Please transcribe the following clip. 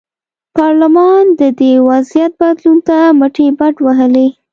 پارلمان د دې وضعیت بدلون ته مټې بډ وهلې.